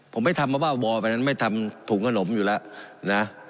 ผมไม่ทำเพราะว่าวอไปนั้นไม่ทำถุงขนมอยู่แล้วนะ